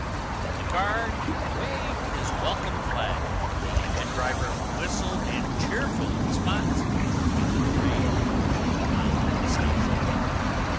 The guard waved his welcome flag, the engine driver whistled in cheerful response, and the train moved out of the station.